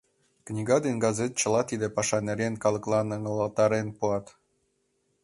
Книга ден газет чыла тиде паша нерген калыклан ыҥылтарен пуат.